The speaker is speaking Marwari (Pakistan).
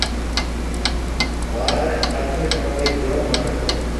مهاريَ آکي پاکي جوم مِنک هيَ۔